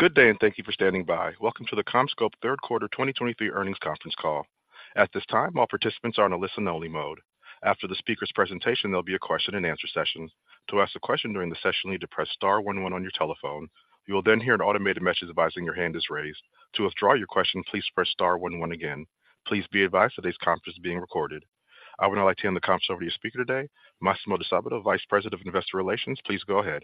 Good day, and thank you for standing by. Welcome to the CommScope Third Quarter 2023 Earnings Conference Call. At this time, all participants are in a listen-only mode. After the speaker's presentation, there'll be a question-and-answer session. To ask a question during the session, you need to press star one one on your telephone. You will then hear an automated message advising your hand is raised. To withdraw your question, please press star one one again. Please be advised that today's conference is being recorded. I would now like to hand the conference over to your speaker today, Massimo Disabato, Vice President of Investor Relations. Please go ahead.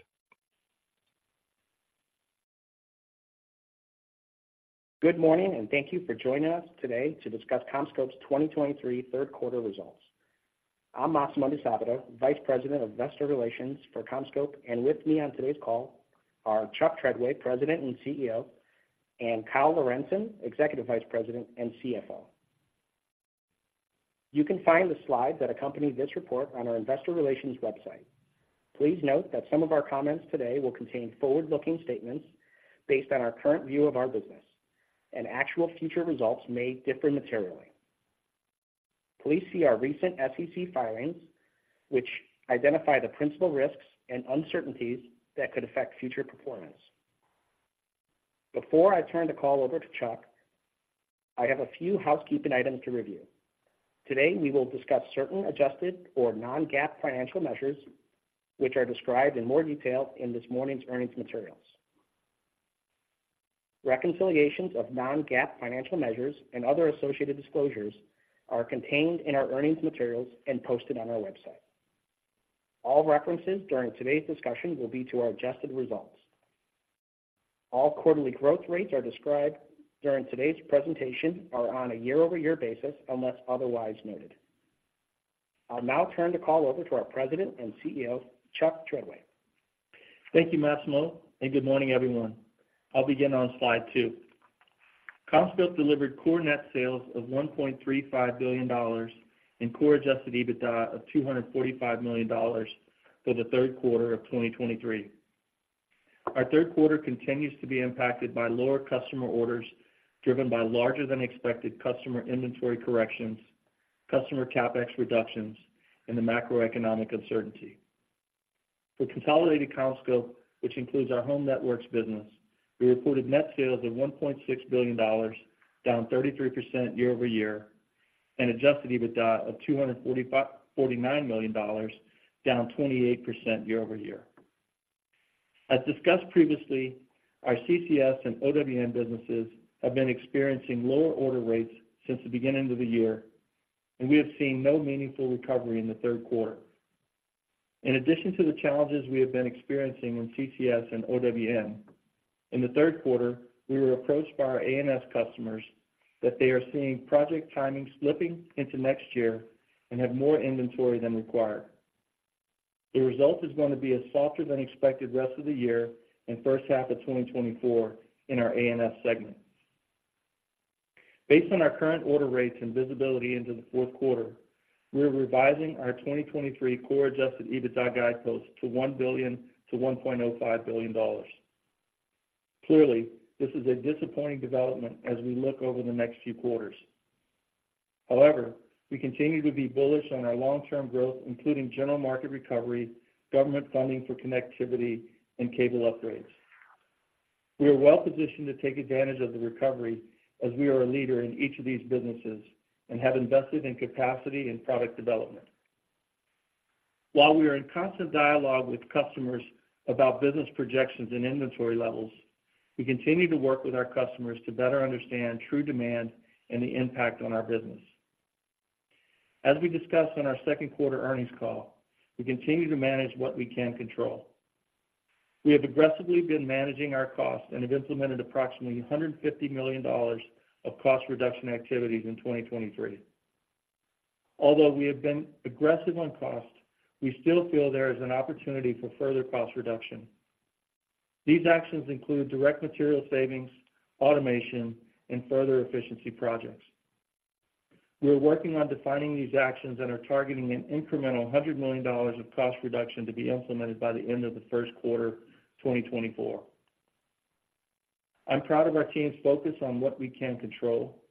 Good morning, and thank you for joining us today to discuss CommScope's 2023 third quarter results. I'm Massimo Disabato, Vice President of Investor Relations for CommScope, and with me on today's call are Chuck Treadway, President and CEO, and Kyle Lorentzen, Executive Vice President and CFO. You can find the slides that accompany this report on our investor relations website. Please note that some of our comments today will contain forward-looking statements based on our current view of our business, and actual future results may differ materially. Please see our recent SEC filings, which identify the principal risks and uncertainties that could affect future performance. Before I turn the call over to Chuck, I have a few housekeeping items to review. Today, we will discuss certain adjusted or non-GAAP financial measures, which are described in more detail in this morning's earnings materials. Reconciliations of non-GAAP financial measures and other associated disclosures are contained in our earnings materials and posted on our website. All references during today's discussion will be to our adjusted results. All quarterly growth rates are described during today's presentation are on a year-over-year basis, unless otherwise noted. I'll now turn the call over to our President and CEO, Chuck Treadway. Thank you, Massimo, and good morning, everyone. I'll begin on slide two. CommScope delivered core net sales of $1.35 billion and core adjusted EBITDA of $245 million for the third quarter of 2023. Our third quarter continues to be impacted by lower customer orders, driven by larger than expected customer inventory corrections, customer CapEx reductions, and the macroeconomic uncertainty. For consolidated CommScope, which includes our home networks business, we reported net sales of $1.6 billion, down 33% year-over-year, and adjusted EBITDA of $249 million, down 28% year-over-year. As discussed previously, our CCS and OWN businesses have been experiencing lower order rates since the beginning of the year, and we have seen no meaningful recovery in the third quarter. In addition to the challenges we have been experiencing in CCS and OWN, in the third quarter, we were approached by our ANS customers that they are seeing project timing slipping into next year and have more inventory than required. The result is going to be a softer than expected rest of the year and first half of 2024 in our ANS segment. Based on our current order rates and visibility into the fourth quarter, we are revising our 2023 core Adjusted EBITDA guideposts to $1 billion-$1.05 billion. Clearly, this is a disappointing development as we look over the next few quarters. However, we continue to be bullish on our long-term growth, including general market recovery, government funding for connectivity, and cable upgrades. We are well positioned to take advantage of the recovery as we are a leader in each of these businesses and have invested in capacity and product development. While we are in constant dialogue with customers about business projections and inventory levels, we continue to work with our customers to better understand true demand and the impact on our business. As we discussed on our second quarter earnings call, we continue to manage what we can control. We have aggressively been managing our costs and have implemented approximately $150 million of cost reduction activities in 2023. Although we have been aggressive on cost, we still feel there is an opportunity for further cost reduction. These actions include direct material savings, automation, and further efficiency projects. We are working on defining these actions and are targeting an incremental $100 million of cost reduction to be implemented by the end of the first quarter 2024. I'm proud of our team's focus on what we can control.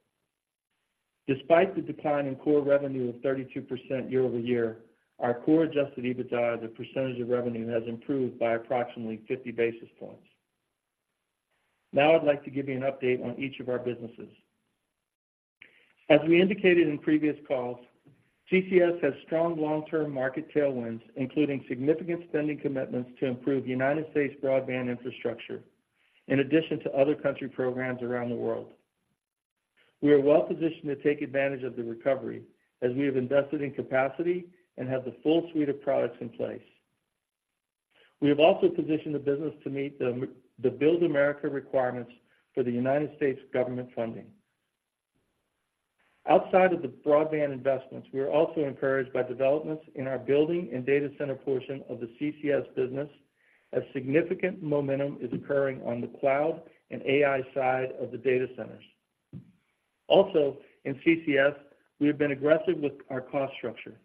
Despite the decline in core revenue of 32% year over year, our core Adjusted EBITDA, the percentage of revenue, has improved by approximately 50 basis points. Now, I'd like to give you an update on each of our businesses. As we indicated in previous calls, CCS has strong long-term market tailwinds, including significant spending commitments to improve United States broadband infrastructure, in addition to other country programs around the world. We are well positioned to take advantage of the recovery as we have invested in capacity and have the full suite of products in place. We have also positioned the business to meet the Build America requirements for the United States government funding. Outside of the broadband investments, we are also encouraged by developments in our building and data center portion of the CCS business, as significant momentum is occurring on the cloud and AI side of the data centers. Also, in CCS, we have been aggressive with our cost structure.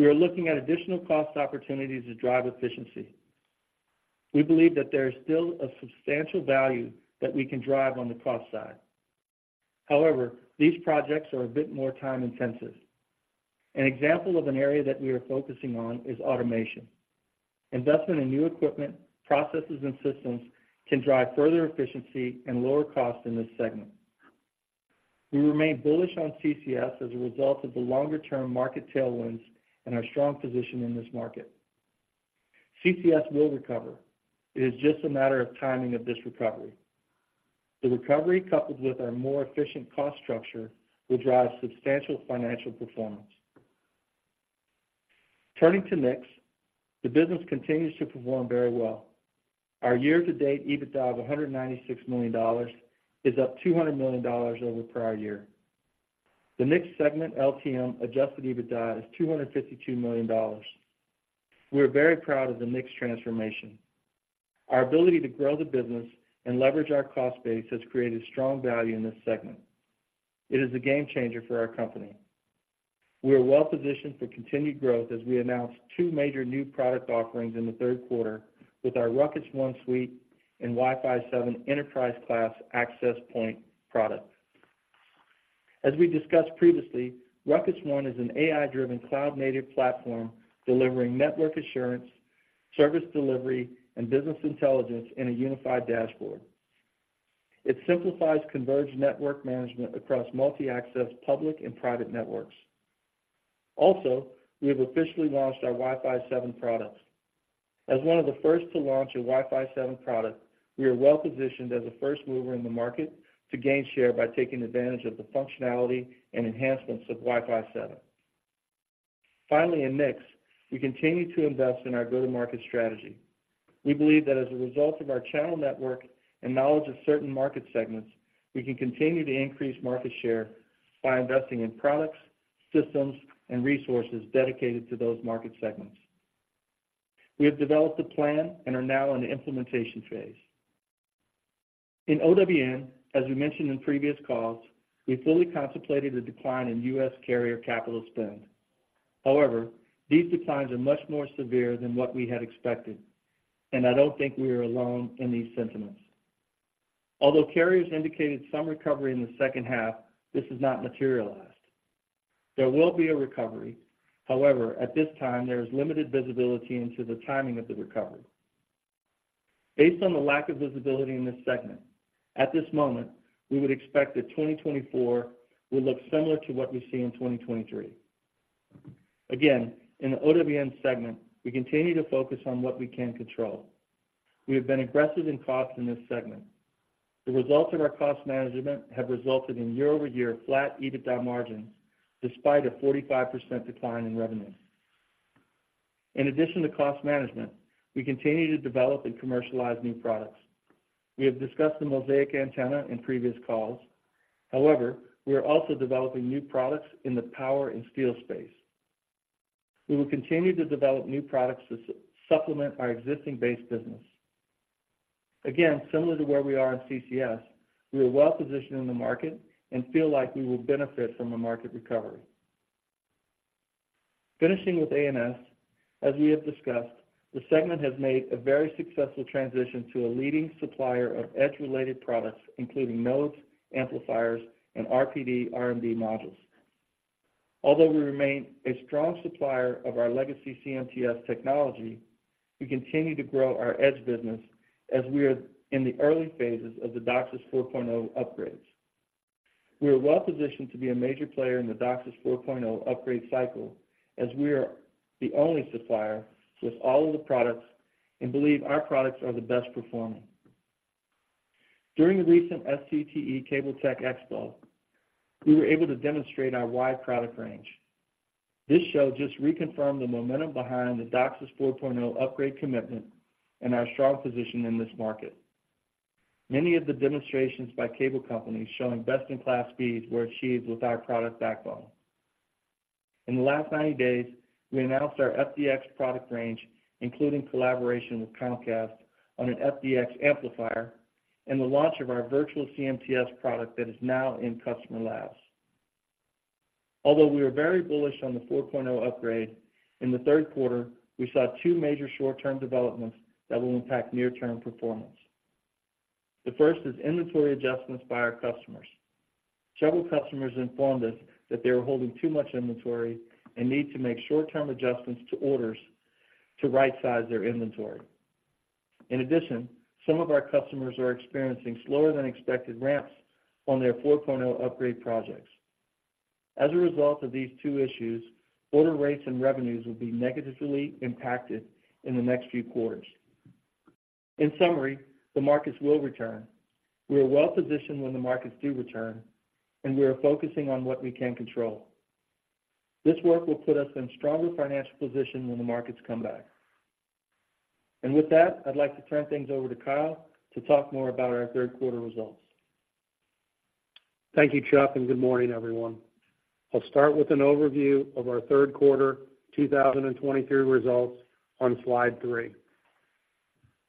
We are looking at additional cost opportunities to drive efficiency. We believe that there is still a substantial value that we can drive on the cost side. However, these projects are a bit more time intensive. An example of an area that we are focusing on is automation. Investment in new equipment, processes, and systems can drive further efficiency and lower costs in this segment. We remain bullish on CCS as a result of the longer-term market tailwinds and our strong position in this market. CCS will recover. It is just a matter of timing of this recovery. The recovery, coupled with our more efficient cost structure, will drive substantial financial performance. Turning to NICS, the business continues to perform very well. Our year-to-date EBITDA of $196 million is up $200 million over the prior year. The NICS segment LTM adjusted EBITDA is $252 million. We're very proud of the NICS transformation. Our ability to grow the business and leverage our cost base has created strong value in this segment. It is a game changer for our company. We are well positioned for continued growth as we announce two major new product offerings in the third quarter with our RUCKUS One suite and Wi-Fi 7 enterprise class access point product. As we discussed previously, RUCKUS One is an AI-driven, cloud-native platform delivering network assurance, service delivery, and business intelligence in a unified dashboard. It simplifies converged network management across multi-access, public, and private networks. Also, we have officially launched our Wi-Fi 7 products. As one of the first to launch a Wi-Fi 7 product, we are well positioned as a first mover in the market to gain share by taking advantage of the functionality and enhancements of Wi-Fi 7. Finally, in NICS, we continue to invest in our go-to-market strategy. We believe that as a result of our channel network and knowledge of certain market segments, we can continue to increase market share by investing in products, systems, and resources dedicated to those market segments. We have developed a plan and are now in the implementation phase. In OWN, as we mentioned in previous calls, we fully contemplated a decline in U.S. carrier capital spend. However, these declines are much more severe than what we had expected, and I don't think we are alone in these sentiments. Although carriers indicated some recovery in the second half, this has not materialized. There will be a recovery. However, at this time, there is limited visibility into the timing of the recovery. Based on the lack of visibility in this segment, at this moment, we would expect that 2024 will look similar to what we see in 2023. Again, in the OWN segment, we continue to focus on what we can control. We have been aggressive in costs in this segment. The results of our cost management have resulted in year-over-year flat EBITDA margins, despite a 45% decline in revenues. In addition to cost management, we continue to develop and commercialize new products. We have discussed the Mosaic Antenna in previous calls. However, we are also developing new products in the power and steel space. We will continue to develop new products to supplement our existing base business. Again, similar to where we are in CCS, we are well positioned in the market and feel like we will benefit from a market recovery. Finishing with ANS, as we have discussed, the segment has made a very successful transition to a leading supplier of edge-related products, including nodes, amplifiers, and RPD RMD modules. Although we remain a strong supplier of our legacy CMTS technology, we continue to grow our edge business as we are in the early phases of the DOCSIS 4.0 upgrades. We are well positioned to be a major player in the DOCSIS 4.0 upgrade cycle, as we are the only supplier with all of the products and believe our products are the best performing. During the recent SCTE Cable-Tec Expo, we were able to demonstrate our wide product range. This show just reconfirmed the momentum behind the DOCSIS 4.0 upgrade commitment and our strong position in this market. Many of the demonstrations by cable companies showing best-in-class speeds were achieved with our product backbone. In the last 90 days, we announced our FDX product range, including collaboration with Comcast on an FDX amplifier and the launch of our virtual CMTS product that is now in customer labs. Although we are very bullish on the 4.0 upgrade, in the third quarter, we saw two major short-term developments that will impact near-term performance. The first is inventory adjustments by our customers. Several customers informed us that they are holding too much inventory and need to make short-term adjustments to orders to right-size their inventory. In addition, some of our customers are experiencing slower than expected ramps on their 4.0 upgrade projects. As a result of these two issues, order rates and revenues will be negatively impacted in the next few quarters. In summary, the markets will return. We are well positioned when the markets do return, and we are focusing on what we can control. This work will put us in stronger financial position when the markets come back. With that, I'd like to turn things over to Kyle to talk more about our third quarter results. Thank you, Chuck, and good morning, everyone. I'll start with an overview of our third quarter 2023 results on slide three.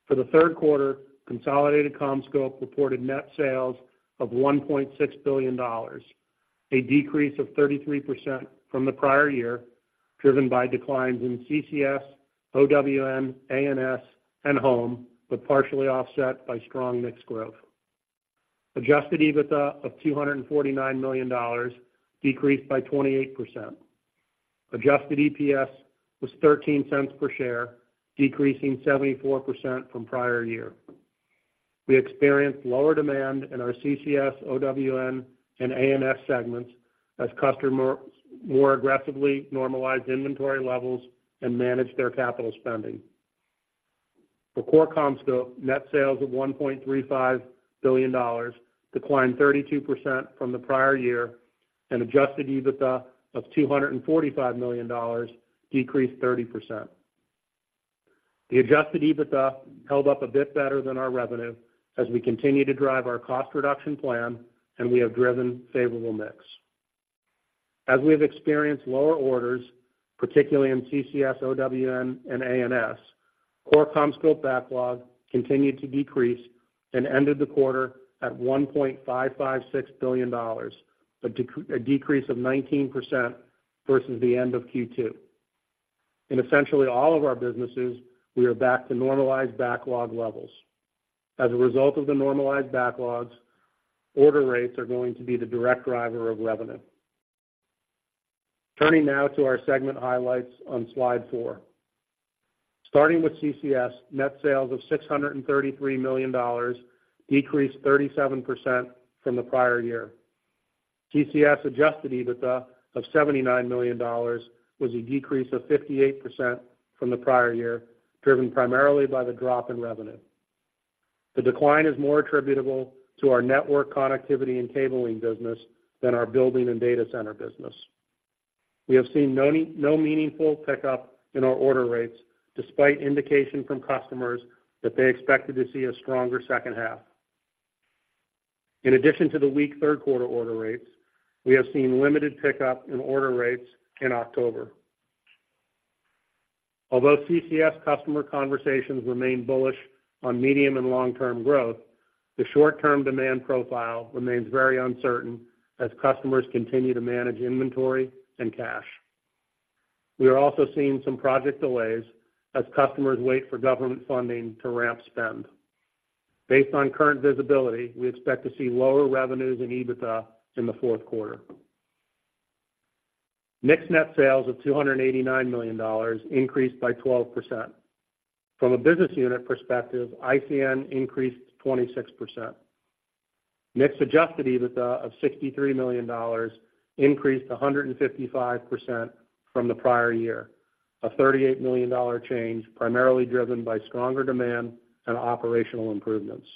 For the third quarter, consolidated CommScope reported net sales of $1.6 billion, a decrease of 33% from the prior year, driven by declines in CCS, OWN, ANS, and Home, but partially offset by strong NICS growth. Adjusted EBITDA of $249 million decreased by 28%. Adjusted EPS was $0.13 per share, decreasing 74% from prior year. We experienced lower demand in our CCS, OWN, and ANS segments as customers more aggressively normalized inventory levels and managed their capital spending. For Core CommScope, net sales of $1.35 billion declined 32% from the prior year, and adjusted EBITDA of $245 million decreased 30%. The Adjusted EBITDA held up a bit better than our revenue as we continue to drive our cost reduction plan, and we have driven favorable mix. As we have experienced lower orders, particularly in CCS, OWN, and ANS, core CommScope backlog continued to decrease and ended the quarter at $1.556 billion, a decrease of 19% versus the end of Q2. In essentially all of our businesses, we are back to normalized backlog levels. As a result of the normalized backlogs, order rates are going to be the direct driver of revenue. Turning now to our segment highlights on slide four. Starting with CCS, net sales of $633 million decreased 37% from the prior year. CCS adjusted EBITDA of $79 million was a decrease of 58% from the prior year, driven primarily by the drop in revenue. The decline is more attributable to our network connectivity and cabling business than our building and data center business. We have seen no meaningful pickup in our order rates, despite indication from customers that they expected to see a stronger second half. In addition to the weak third quarter order rates, we have seen limited pickup in order rates in October. Although CCS customer conversations remain bullish on medium and long-term growth, the short-term demand profile remains very uncertain as customers continue to manage inventory and cash. We are also seeing some project delays as customers wait for government funding to ramp spend. Based on current visibility, we expect to see lower revenues and EBITDA in the fourth quarter. NICS net sales of $289 million increased by 12%. From a business unit perspective, ICN increased 26%. NICS adjusted EBITDA of $63 million increased 155% from the prior year, a $38 million change, primarily driven by stronger demand and operational improvements.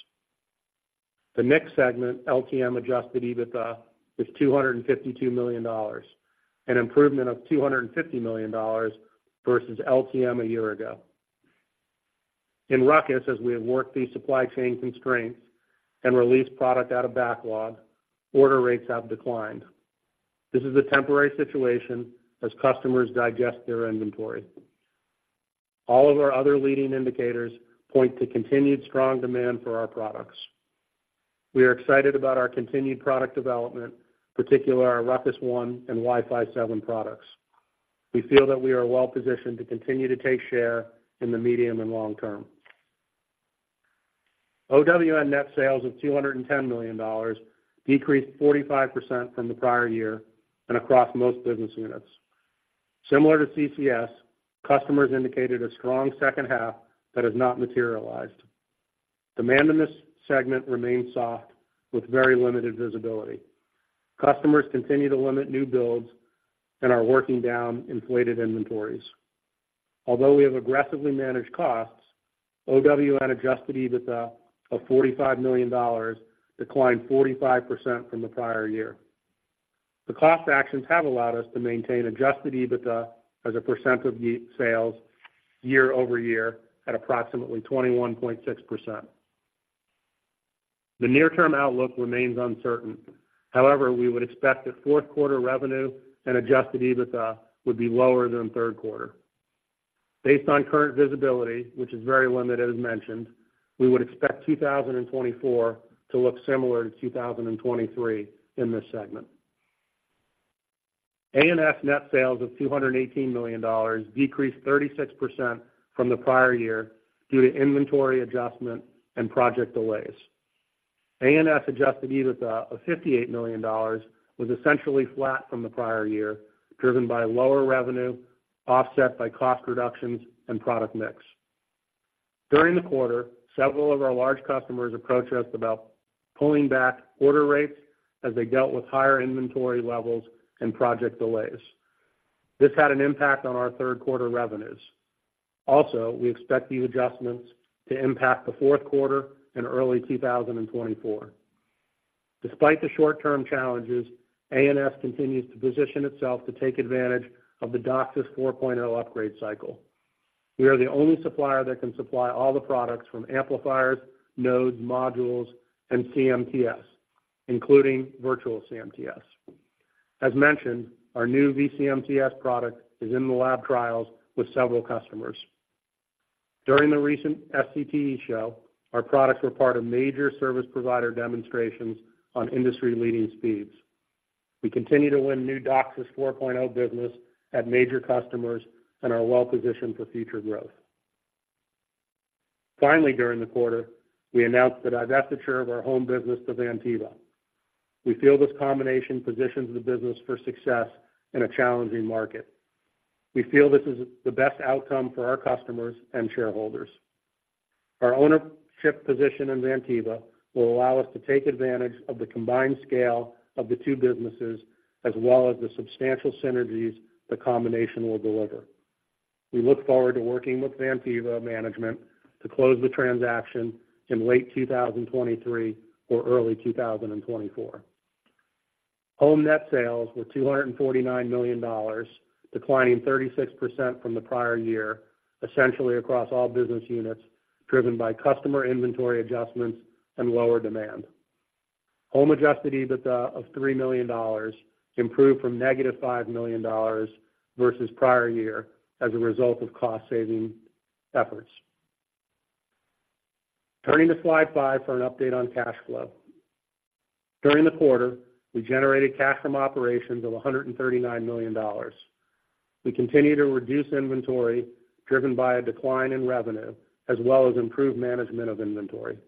The NICS segment, LTM adjusted EBITDA, is $252 million, an improvement of $250 million versus LTM a year ago. In RUCKUS, as we have worked these supply chain constraints and released product out of backlog, order rates have declined. This is a temporary situation as customers digest their inventory. All of our other leading indicators point to continued strong demand for our products. We are excited about our continued product development, particularly our RUCKUS One and Wi-Fi 7 products. We feel that we are well positioned to continue to take share in the medium and long term. OWN net sales of $210 million decreased 45% from the prior year and across most business units. Similar to CCS, customers indicated a strong second half that has not materialized. Demand in this segment remains soft, with very limited visibility. Customers continue to limit new builds and are working down inflated inventories. Although we have aggressively managed costs, OWN adjusted EBITDA of $45 million declined 45% from the prior year. The cost actions have allowed us to maintain adjusted EBITDA as a percent of the sales year-over-year at approximately 21.6%. The near-term outlook remains uncertain. However, we would expect that fourth quarter revenue and adjusted EBITDA would be lower than third quarter. Based on current visibility, which is very limited, as mentioned, we would expect 2024 to look similar to 2023 in this segment. ANS net sales of $218 million decreased 36% from the prior year due to inventory adjustment and project delays. ANS adjusted EBITDA of $58 million was essentially flat from the prior year, driven by lower revenue, offset by cost reductions and product mix. During the quarter, several of our large customers approached us about pulling back order rates as they dealt with higher inventory levels and project delays. This had an impact on our third quarter revenues. Also, we expect these adjustments to impact the fourth quarter and early 2024. Despite the short-term challenges, ANS continues to position itself to take advantage of the DOCSIS 4.0 upgrade cycle. We are the only supplier that can supply all the products from amplifiers, nodes, modules, and CMTS, including virtual CMTS. As mentioned, our new vCMTS product is in the lab trials with several customers. During the recent SCTE show, our products were part of major service provider demonstrations on industry-leading speeds. We continue to win new DOCSIS 4.0 business at major customers and are well positioned for future growth. Finally, during the quarter, we announced that our divestiture of our home business to Vantiva. We feel this combination positions the business for success in a challenging market. We feel this is the best outcome for our customers and shareholders. Our ownership position in Vantiva will allow us to take advantage of the combined scale of the two businesses, as well as the substantial synergies the combination will deliver. We look forward to working with Vantiva management to close the transaction in late 2023 or early 2024. Home net sales were $249 million, declining 36% from the prior year, essentially across all business units, driven by customer inventory adjustments and lower demand. Home adjusted EBITDA of $3 million, improved from -$5 million versus prior year as a result of cost-saving efforts. Turning to slide 5 for an update on cash flow. During the quarter, we generated cash from operations of $139 million. We continue to reduce inventory, driven by a decline in revenue, as well as improved management of inventory.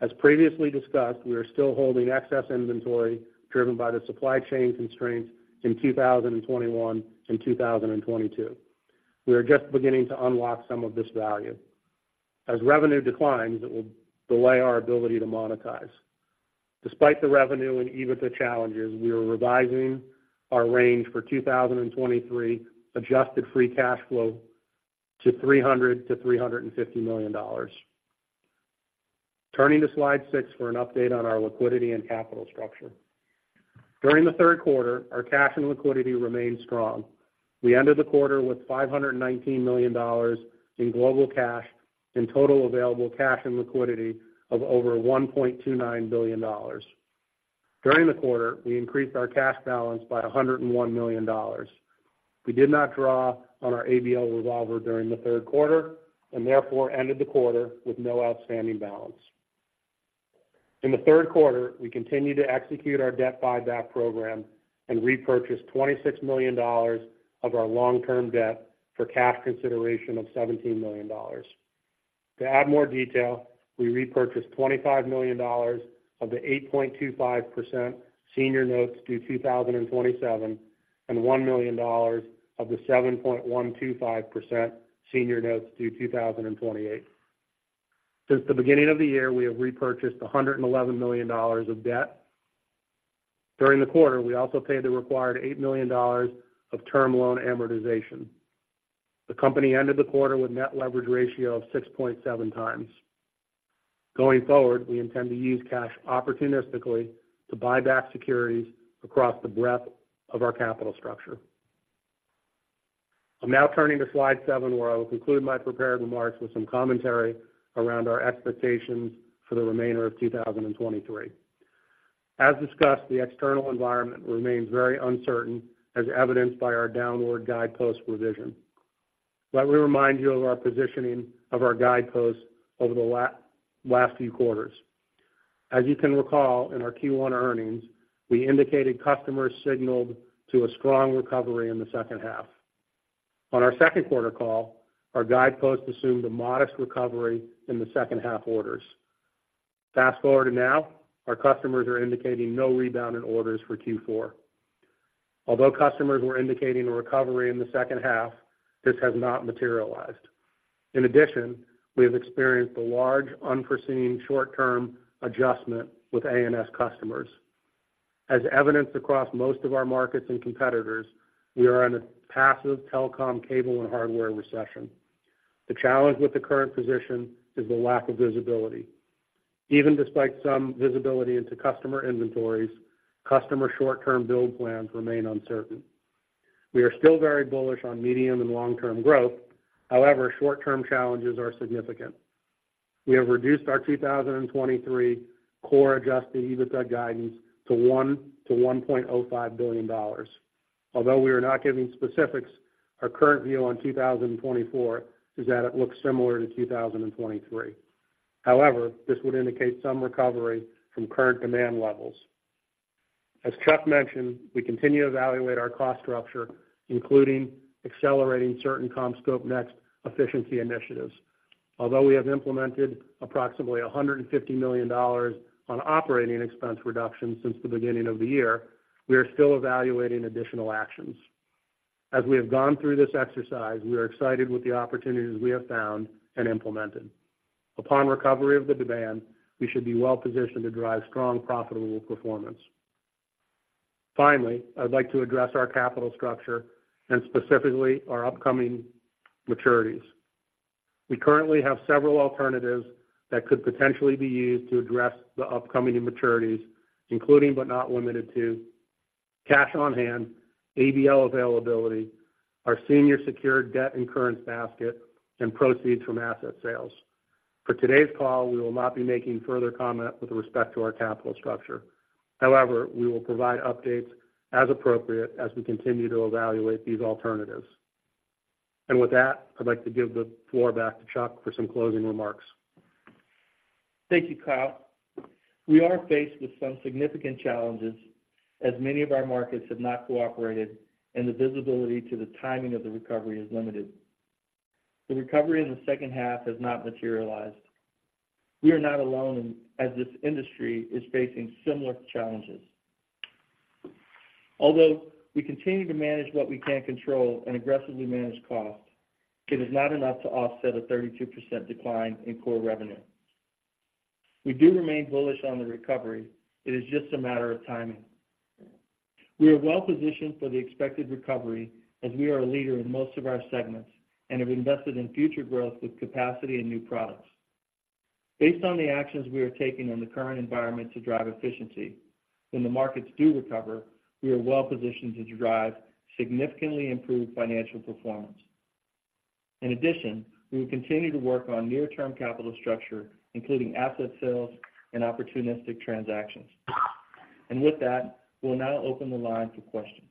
As previously discussed, we are still holding excess inventory, driven by the supply chain constraints in 2021 and 2022. We are just beginning to unlock some of this value. As revenue declines, it will delay our ability to monetize. Despite the revenue and EBITDA challenges, we are revising our range for 2023 adjusted free cash flow to $300 million-$350 million. Turning to slide six for an update on our liquidity and capital structure. During the third quarter, our cash and liquidity remained strong. We ended the quarter with $519 million in global cash and total available cash and liquidity of over $1.29 billion. During the quarter, we increased our cash balance by $101 million. We did not draw on our ABL revolver during the third quarter, and therefore ended the quarter with no outstanding balance. In the third quarter, we continued to execute our debt buyback program and repurchased $26 million of our long-term debt for cash consideration of $17 million. To add more detail, we repurchased $25 million of the 8.25% senior notes due 2027, and $1 million of the 7.125% senior notes due 2028. Since the beginning of the year, we have repurchased $111 million of debt. During the quarter, we also paid the required $8 million of term loan amortization. The company ended the quarter with net leverage ratio of 6.7 times. Going forward, we intend to use cash opportunistically to buy back securities across the breadth of our capital structure. I'm now turning to slide seven, where I will conclude my prepared remarks with some commentary around our expectations for the remainder of 2023. As discussed, the external environment remains very uncertain, as evidenced by our downward guidepost revision. Let me remind you of our positioning of our guideposts over the last few quarters. As you can recall, in our Q1 earnings, we indicated customers signaled to a strong recovery in the second half. On our second quarter call, our guideposts assumed a modest recovery in the second-half orders. Fast forward to now, our customers are indicating no rebound in orders for Q4. Although customers were indicating a recovery in the second half, this has not materialized. In addition, we have experienced a large unforeseen short-term adjustment with ANS customers. As evidenced across most of our markets and competitors, we are in a passive telecom, cable, and hardware recession. The challenge with the current position is the lack of visibility. Even despite some visibility into customer inventories, customer short-term build plans remain uncertain. We are still very bullish on medium and long-term growth. However, short-term challenges are significant. We have reduced our 2023 core Adjusted EBITDA guidance to $1 billion-$1.05 billion. Although we are not giving specifics, our current view on 2024 is that it looks similar to 2023. However, this would indicate some recovery from current demand levels. As Chuck mentioned, we continue to evaluate our cost structure, including accelerating certain CommScope Next efficiency initiatives. Although we have implemented approximately $150 million on operating expense reductions since the beginning of the year, we are still evaluating additional actions. As we have gone through this exercise, we are excited with the opportunities we have found and implemented. Upon recovery of the demand, we should be well positioned to drive strong, profitable performance. Finally, I'd like to address our capital structure and specifically our upcoming maturities. We currently have several alternatives that could potentially be used to address the upcoming maturities, including, but not limited to, cash on hand, ABL availability, our senior secured debt and currency basket, and proceeds from asset sales. ...For today's call, we will not be making further comment with respect to our capital structure. However, we will provide updates as appropriate as we continue to evaluate these alternatives. And with that, I'd like to give the floor back to Chuck for some closing remarks. Thank you, Kyle. We are faced with some significant challenges as many of our markets have not cooperated, and the visibility to the timing of the recovery is limited. The recovery in the second half has not materialized. We are not alone, as this industry is facing similar challenges. Although we continue to manage what we can control and aggressively manage costs, it is not enough to offset a 32% decline in core revenue. We do remain bullish on the recovery. It is just a matter of timing. We are well positioned for the expected recovery as we are a leader in most of our segments and have invested in future growth with capacity and new products. Based on the actions we are taking in the current environment to drive efficiency, when the markets do recover, we are well positioned to drive significantly improved financial performance. In addition, we will continue to work on near-term capital structure, including asset sales and opportunistic transactions. With that, we'll now open the line for questions.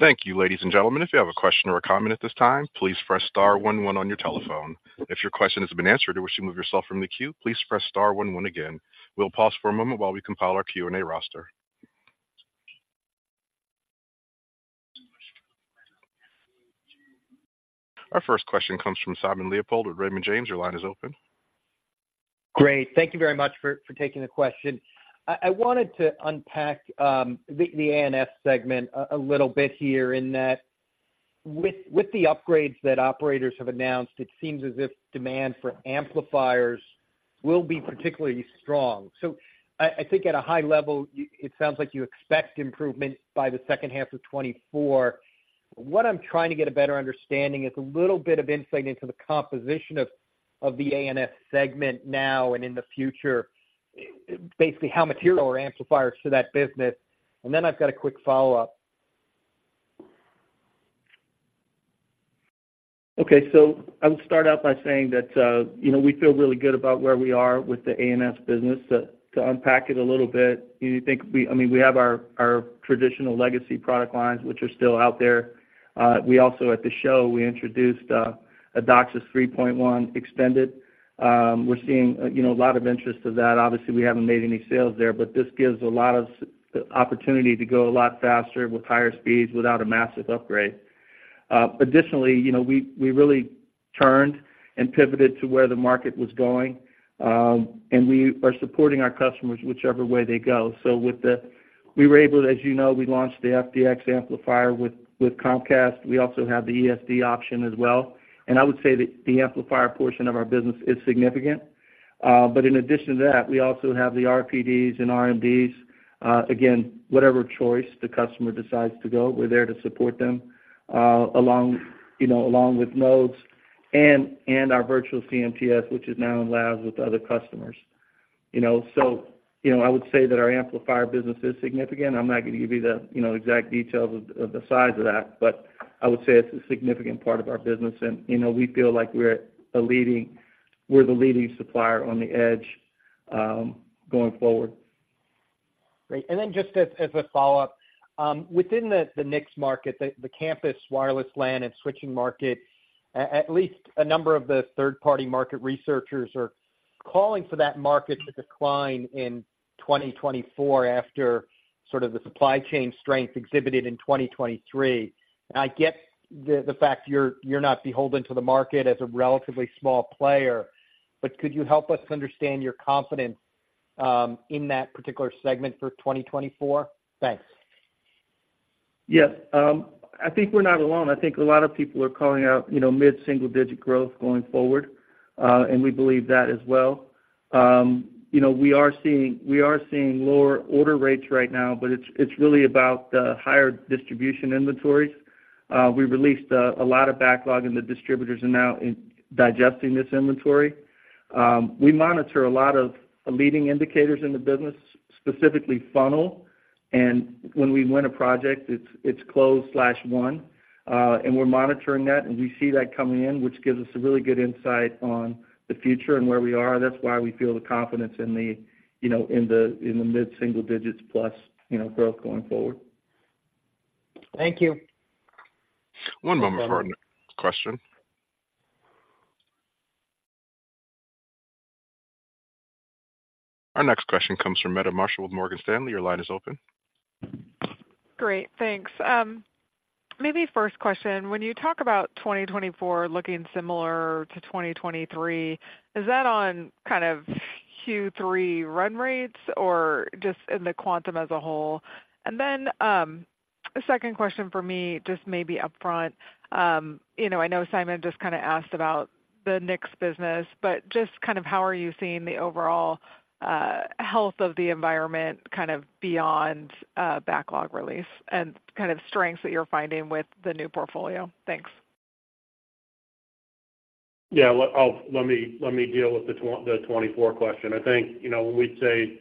Thank you, ladies and gentlemen. If you have a question or a comment at this time, please press star one, one on your telephone. If your question has been answered, or wish to move yourself from the queue, please press star one, one again. We'll pause for a moment while we compile our Q&A roster. Our first question comes from Simon Leopold with Raymond James. Your line is open. Great. Thank you very much for taking the question. I wanted to unpack the ANS segment a little bit here in that, with the upgrades that operators have announced, it seems as if demand for amplifiers will be particularly strong. So I think at a high level, it sounds like you expect improvement by the second half of 2024. What I'm trying to get a better understanding is a little bit of insight into the composition of the ANS segment now and in the future, basically, how material are amplifiers to that business? And then I've got a quick follow-up. Okay. So I would start out by saying that, you know, we feel really good about where we are with the ANS business. To unpack it a little bit, I mean, we have our, our traditional legacy product lines, which are still out there. We also at the show, we introduced a DOCSIS 3.1 extended. We're seeing, you know, a lot of interest to that. Obviously, we haven't made any sales there, but this gives a lot of opportunity to go a lot faster with higher speeds without a massive upgrade. Additionally, you know, we really turned and pivoted to where the market was going, and we are supporting our customers whichever way they go. So, we were able, as you know, we launched the FDX amplifier with Comcast. We also have the ESD option as well. I would say that the amplifier portion of our business is significant. But in addition to that, we also have the RPDs and RMDs. Again, whatever choice the customer decides to go, we're there to support them, along, you know, along with nodes and, and our virtual CMTS, which is now in labs with other customers. You know, so, you know, I would say that our amplifier business is significant. I'm not going to give you the, you know, exact details of, of the size of that, but I would say it's a significant part of our business, and, you know, we feel like we're a leading--we're the leading supplier on the edge, going forward. Great. And then just as a follow-up, within the NICS market, the campus wireless LAN and switching market, at least a number of the third-party market researchers are calling for that market to decline in 2024 after sort of the supply chain strength exhibited in 2023. I get the fact you're not beholden to the market as a relatively small player, but could you help us understand your confidence in that particular segment for 2024? Thanks. Yes. I think we're not alone. I think a lot of people are calling out, you know, mid-single digit growth going forward, and we believe that as well. You know, we are seeing lower order rates right now, but it's really about the higher distribution inventories. We released a lot of backlog, and the distributors are now digesting this inventory. We monitor a lot of leading indicators in the business, specifically funnel, and when we win a project, it's closed slash won. And we're monitoring that, and we see that coming in, which gives us a really good insight on the future and where we are. That's why we feel the confidence in the, you know, in the mid-single digits plus, you know, growth going forward. Thank you. One moment for our next question. Our next question comes from Meta Marshall with Morgan Stanley. Your line is open. Great. Thanks. Maybe first question, when you talk about 2024 looking similar to 2023, is that on kind of Q3 run rates or just in the quarter as a whole? And then, a second question for me, just maybe upfront. You know, I know Simon just kind of asked about the NICS business, but just kind of how are you seeing the overall health of the environment, kind of beyond backlog release and kind of strengths that you're finding with the new portfolio? Thanks. Yeah, well, let me deal with the 2024 question. I think, you know, when we say-...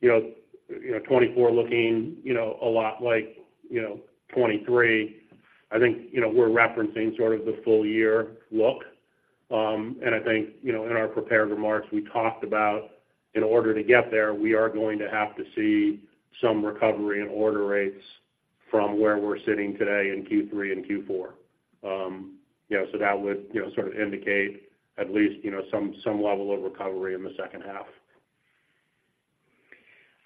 you know, you know, 2024 looking, you know, a lot like, you know, 2023, I think, you know, we're referencing sort of the full year look. And I think, you know, in our prepared remarks, we talked about in order to get there, we are going to have to see some recovery in order rates from where we're sitting today in Q3 and Q4. Yeah, so that would, you know, sort of indicate at least, you know, some, some level of recovery in the second half.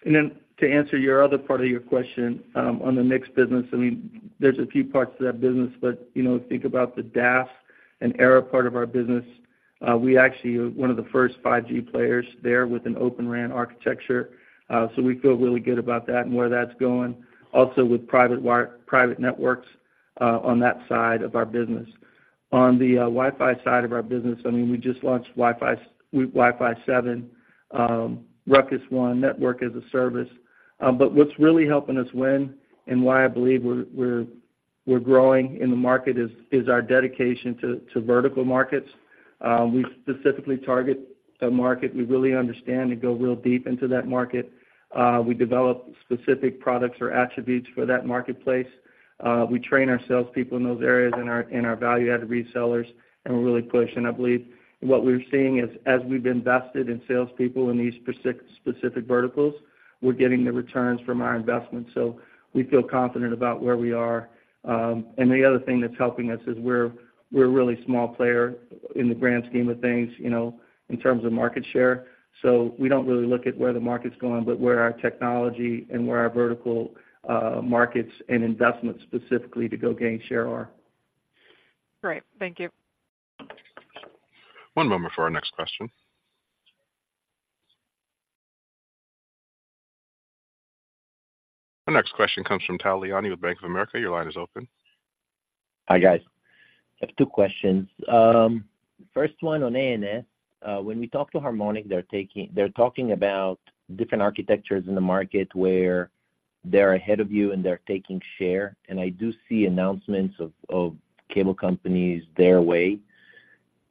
Then to answer your other part of your question, on the mixed business, I mean, there's a few parts to that business, but, you know, think about the DAS and ERA part of our business. We actually are one of the first 5G players there with an Open RAN architecture, so we feel really good about that and where that's going. Also, with private networks, on that side of our business. On the Wi-Fi side of our business, I mean, we just launched Wi-Fi 7, Ruckus One Network as a service. But what's really helping us win and why I believe we're growing in the market is our dedication to vertical markets. We specifically target a market we really understand and go real deep into that market. We develop specific products or attributes for that marketplace. We train our salespeople in those areas and our value-added resellers, and we really push. And I believe what we're seeing is, as we've invested in salespeople in these specific verticals, we're getting the returns from our investments, so we feel confident about where we are. And the other thing that's helping us is we're a really small player in the grand scheme of things, you know, in terms of market share. So we don't really look at where the market's going, but where our technology and where our vertical markets and investments specifically to go gain share are. Great. Thank you. One moment for our next question. Our next question comes from Tal Liani with Bank of America. Your line is open. Hi, guys. I have two questions. First one, on ANS, when we talk to Harmonic, they're talking about different architectures in the market where they're ahead of you, and they're taking share, and I do see announcements of cable companies their way.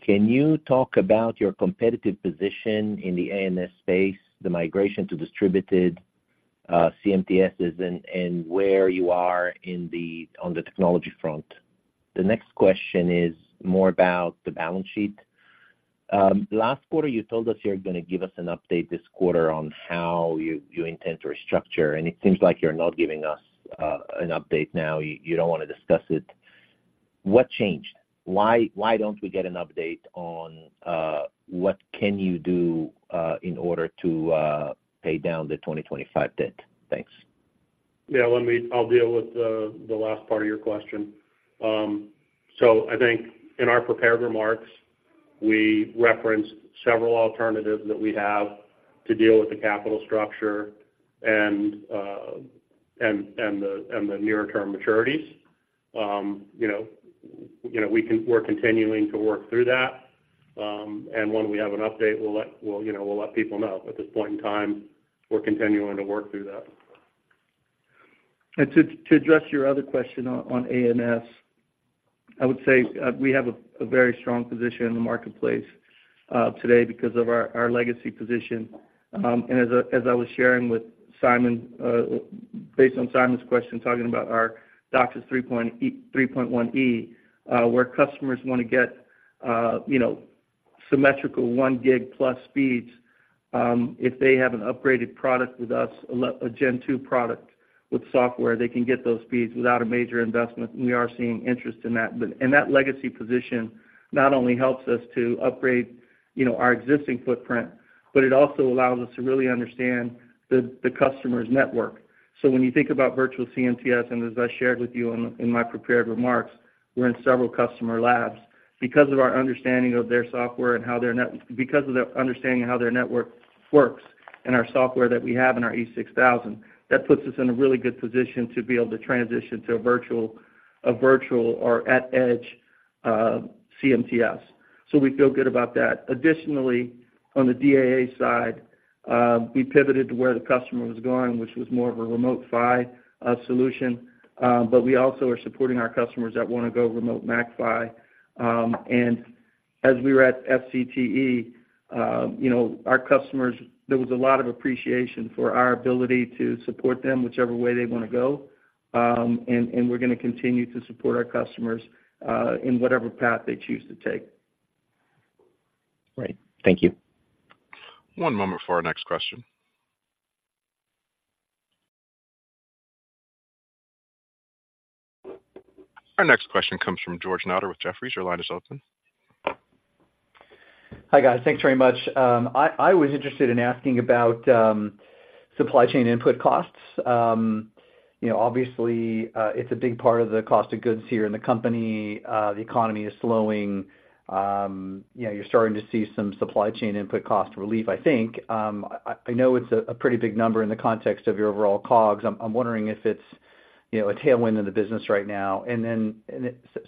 Can you talk about your competitive position in the ANS space, the migration to distributed CMTSs and where you are in the, on the technology front? The next question is more about the balance sheet. Last quarter, you told us you're gonna give us an update this quarter on how you intend to restructure, and it seems like you're not giving us an update now. You don't want to discuss it. What changed? Why don't we get an update on what can you do in order to pay down the 2025 debt? Thanks. Yeah, let me. I'll deal with the last part of your question. So I think in our prepared remarks, we referenced several alternatives that we have to deal with the capital structure and the near-term maturities. You know, we're continuing to work through that. And when we have an update, we'll let people know, you know. At this point in time, we're continuing to work through that. To address your other question on ANS, I would say we have a very strong position in the marketplace today because of our legacy position. And as I was sharing with Simon, based on Simon's question, talking about our DOCSIS 3.1e, where customers want to get you know symmetrical one gig plus speeds, if they have an upgraded product with us, a Gen 2 product with software, they can get those speeds without a major investment, and we are seeing interest in that. But and that legacy position not only helps us to upgrade you know our existing footprint, but it also allows us to really understand the customer's network. So when you think about virtual CMTS, and as I shared with you in my prepared remarks, we're in several customer labs because of our understanding of their software and their understanding of how their network works and our software that we have in our E6000, that puts us in a really good position to be able to transition to a virtual or edge CMTS. So we feel good about that. Additionally, on the DAA side, we pivoted to where the customer was going, which was more of a remote PHY solution. But we also are supporting our customers that want to go remote MAC-PHY. And as we were at SCTE, you know, our customers, there was a lot of appreciation for our ability to support them whichever way they want to go. We're gonna continue to support our customers in whatever path they choose to take. Great. Thank you. One moment for our next question. Our next question comes from George Notter with Jefferies. Your line is open. Hi, guys. Thanks very much. I was interested in asking about supply chain input costs. You know, obviously, it's a big part of the cost of goods here in the company. The economy is slowing. You know, you're starting to see some supply chain input cost relief, I think. I know it's a pretty big number in the context of your overall COGS. I'm wondering if it's, you know, a tailwind in the business right now. And then,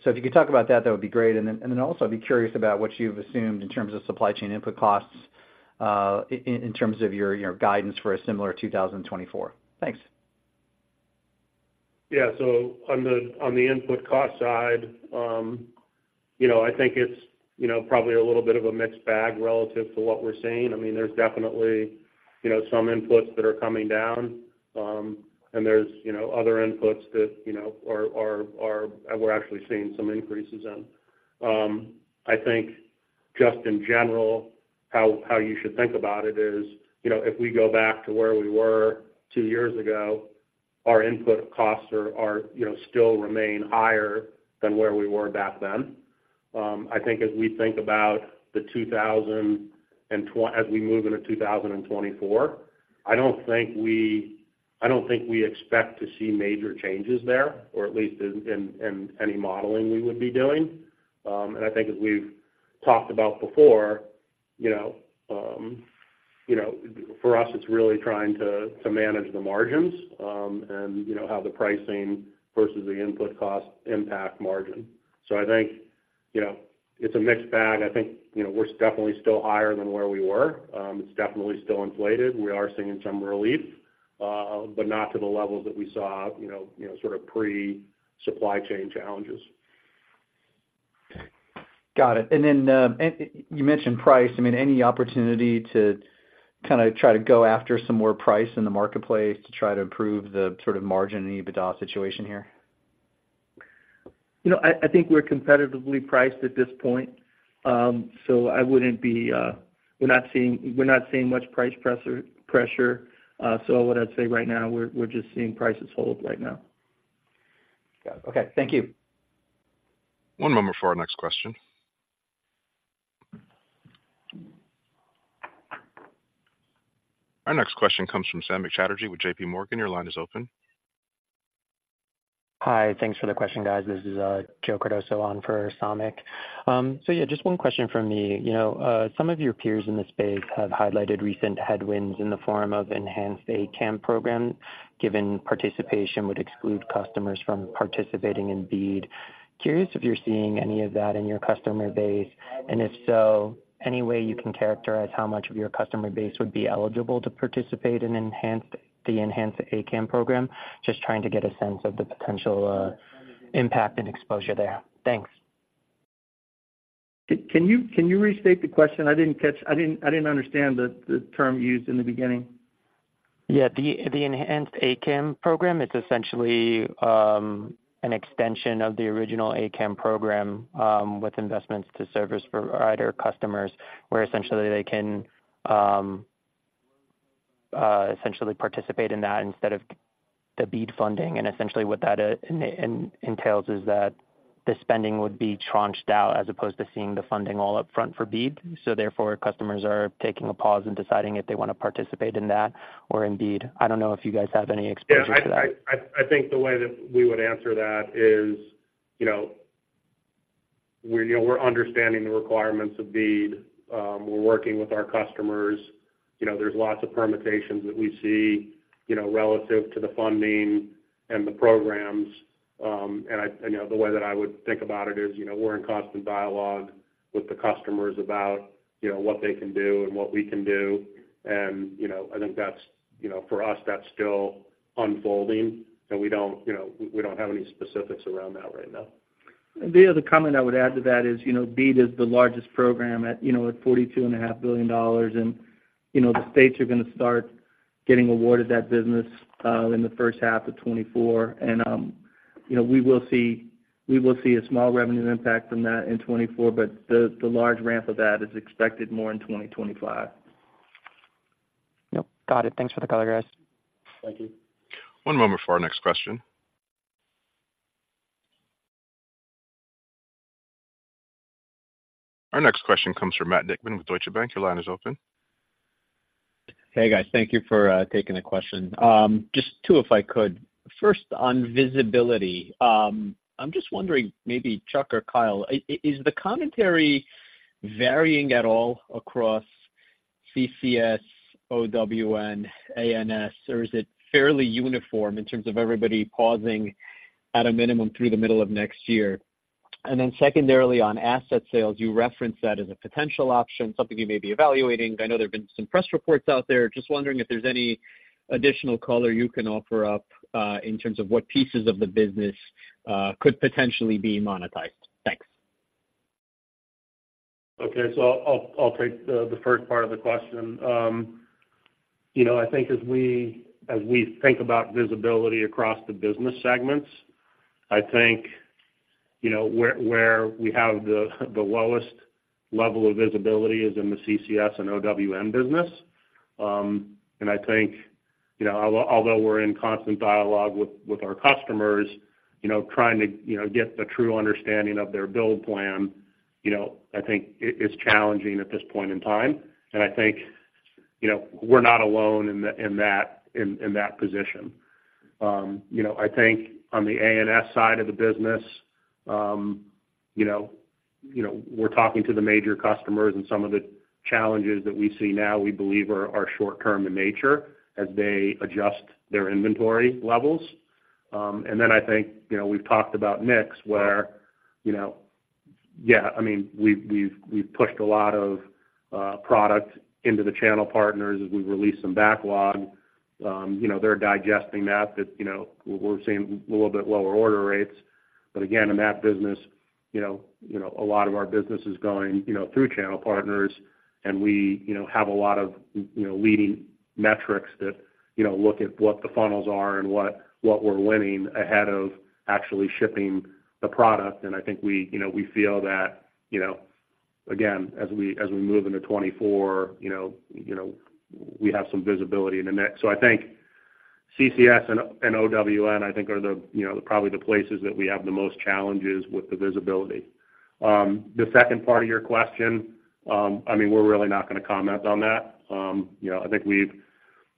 so if you could talk about that, that would be great. And then also, I'd be curious about what you've assumed in terms of supply chain input costs in terms of your guidance for a similar 2024. Thanks.... Yeah, so on the input cost side, you know, I think it's, you know, probably a little bit of a mixed bag relative to what we're seeing. I mean, there's definitely, you know, some inputs that are coming down, and there's, you know, other inputs that, you know, are we're actually seeing some increases in. I think just in general, how you should think about it is, you know, if we go back to where we were two years ago, our input costs are, you know, still remain higher than where we were back then. I think as we think about -- as we move into 2024, I don't think we, I don't think we expect to see major changes there, or at least in any modeling we would be doing. And I think as we've talked about before, you know, you know, for us, it's really trying to manage the margins, and, you know, how the pricing versus the input costs impact margin. So I think, you know, it's a mixed bag. I think, you know, we're definitely still higher than where we were. It's definitely still inflated. We are seeing some relief, but not to the levels that we saw, you know, you know, sort of pre-supply chain challenges. Got it. And then, and you mentioned price. I mean, any opportunity to kind of try to go after some more price in the marketplace to try to improve the sort of margin and EBITDA situation here? You know, I think we're competitively priced at this point. We're not seeing much price pressure. So what I'd say right now, we're just seeing prices hold right now. Got it. Okay, thank you. One moment for our next question. Our next question comes from Samik Chatterjee with JP Morgan. Your line is open. Hi, thanks for the question, guys. This is Joe Cardoso on for Samik. So yeah, just one question from me. You know, some of your peers in the space have highlighted recent headwinds in the form of enhanced ACAM program, given participation would exclude customers from participating in BEAD. Curious if you're seeing any of that in your customer base, and if so, any way you can characterize how much of your customer base would be eligible to participate in the enhanced ACAM program? Just trying to get a sense of the potential impact and exposure there. Thanks. Can you restate the question? I didn't catch... I didn't understand the term you used in the beginning. Yeah, the enhanced ACAM program, it's essentially an extension of the original ACAM program with investments to service provider customers, where essentially they can essentially participate in that instead of the BEAD funding. And essentially what that entails is that the spending would be tranched out as opposed to seeing the funding all up front for BEAD. So therefore, customers are taking a pause and deciding if they want to participate in that or in BEAD. I don't know if you guys have any exposure to that. Yeah, I think the way that we would answer that is, you know, we're understanding the requirements of BEAD. We're working with our customers. You know, there's lots of permutations that we see, you know, relative to the funding and the programs. And I, you know, the way that I would think about it is, you know, we're in constant dialogue with the customers about, you know, what they can do and what we can do. And, you know, I think that's, you know, for us, that's still unfolding, and we don't, you know, we don't have any specifics around that right now. The other comment I would add to that is, you know, BEAD is the largest program at, you know, at $42.5 billion. You know, the states are going to start getting awarded that business in the first half of 2024. You know, we will see, we will see a small revenue impact from that in 2024, but the, the large ramp of that is expected more in 2025. Yep. Got it. Thanks for the color, guys. Thank you. One moment for our next question. Our next question comes from Matt Nikman with Deutsche Bank. Your line is open. Hey, guys. Thank you for taking the question. Just two, if I could. First, on visibility, I'm just wondering, maybe Chuck or Kyle, is the commentary varying at all across CCS, OWN, ANS, or is it fairly uniform in terms of everybody pausing at a minimum through the middle of next year? And then secondarily, on asset sales, you referenced that as a potential option, something you may be evaluating. I know there have been some press reports out there. Just wondering if there's any additional color you can offer up in terms of what pieces of the business could potentially be monetized. Thanks. Okay. So I'll take the first part of the question. You know, I think as we think about visibility across the business segments, I think, you know, where we have the lowest level of visibility is in the CCS and OWN business. And I think, you know, although we're in constant dialogue with our customers, you know, trying to get a true understanding of their build plan, you know, I think it is challenging at this point in time. And I think, you know, we're not alone in that position. You know, I think on the ANS side of the business, you know, you know, we're talking to the major customers, and some of the challenges that we see now, we believe are short term in nature as they adjust their inventory levels. And then I think, you know, we've talked about mix, where, you know-... yeah, I mean, we've pushed a lot of product into the channel partners as we release some backlog. You know, they're digesting that, but, you know, we're seeing a little bit lower order rates. But again, in that business, you know, a lot of our business is going, you know, through channel partners, and we, you know, have a lot of, you know, leading metrics that, you know, look at what the funnels are and what we're winning ahead of actually shipping the product. And I think we, you know, we feel that, you know, again, as we move into 2024, you know, we have some visibility in the next. So I think CCS and OWN, I think, are the, you know, probably the places that we have the most challenges with the visibility. The second part of your question, I mean, we're really not gonna comment on that. You know, I think we've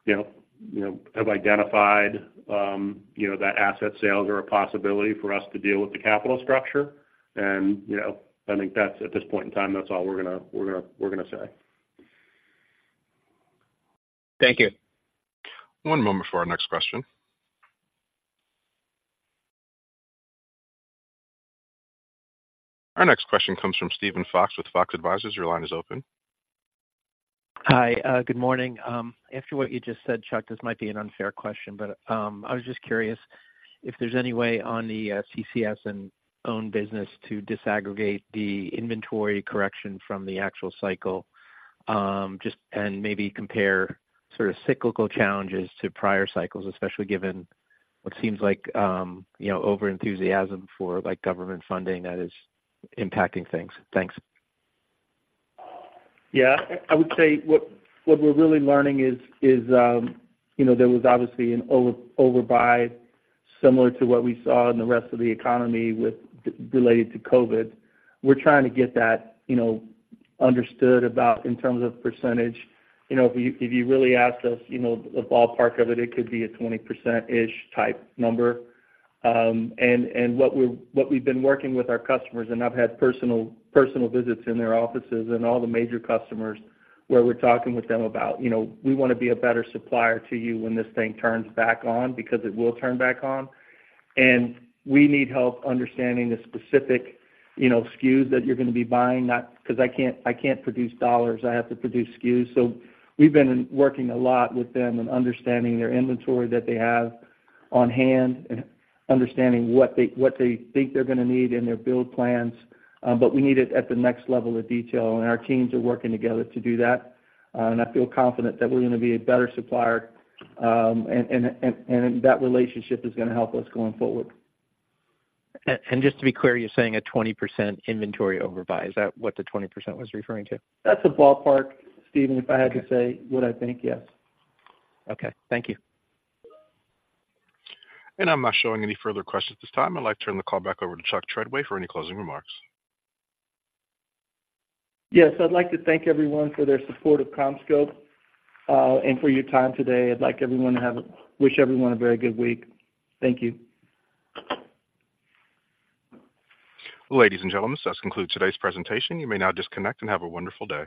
identified that asset sales are a possibility for us to deal with the capital structure. And, you know, I think that's, at this point in time, that's all we're gonna say. Thank you. One moment for our next question. Our next question comes from Steven Fox with Fox Advisors. Your line is open. Hi, good morning. After what you just said, Chuck, this might be an unfair question, but I was just curious if there's any way on the CCS and OWN business to disaggregate the inventory correction from the actual cycle, just, and maybe compare sort of cyclical challenges to prior cycles, especially given what seems like, you know, overenthusiasm for, like, government funding that is impacting things. Thanks. Yeah, I would say what we're really learning is, you know, there was obviously an overbuy, similar to what we saw in the rest of the economy with related to COVID. We're trying to get that, you know, understood about in terms of percentage. You know, if you really asked us, you know, the ballpark of it, it could be a 20%-ish type number. And what we've been working with our customers, and I've had personal visits in their offices and all the major customers, where we're talking with them about, you know, we want to be a better supplier to you when this thing turns back on, because it will turn back on. We need help understanding the specific, you know, SKUs that you're going to be buying, not because I can't, I can't produce dollars, I have to produce SKUs. So we've been working a lot with them and understanding their inventory that they have on hand and understanding what they, what they think they're gonna need in their build plans, but we need it at the next level of detail, and our teams are working together to do that. I feel confident that we're gonna be a better supplier, and that relationship is gonna help us going forward. Just to be clear, you're saying a 20% inventory overbuy? Is that what the 20% was referring to? That's a ballpark, Steven, if I had to say, what I think, yes. Okay. Thank you. I'm not showing any further questions at this time. I'd like to turn the call back over to Chuck Treadway for any closing remarks. Yes, I'd like to thank everyone for their support of CommScope, and for your time today. I'd like everyone to wish everyone a very good week. Thank you. Ladies and gentlemen, this concludes today's presentation. You may now disconnect and have a wonderful day.